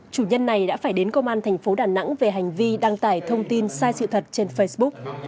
chủ nhân này đã phải đến công an thành phố đà nẵng về hành vi đăng tải thông tin sai sự thật trên facebook